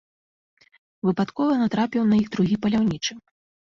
Выпадкова натрапіў на іх другі паляўнічы.